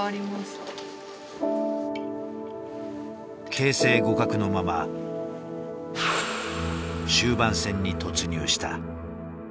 形勢互角のまま終盤戦に突入した。